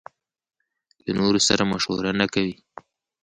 له نورو سره مشوره نکوي.